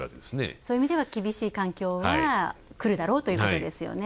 そういう意味では厳しい環境がくるだろうということですよね。